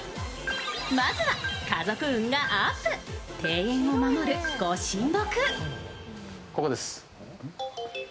まずは家族運がアップ、庭園をまもる御神木。